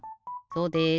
そうです！